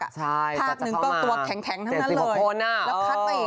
ใช่ก็จะเข้ามา๗๖คนแล้วคัดไปอีกเออภาคหนึ่งก็ตัวแข็งทั้งนั้นเลย